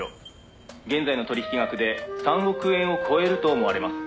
「現在の取引額で３億円を超えると思われます」